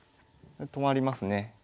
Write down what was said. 止まりますね。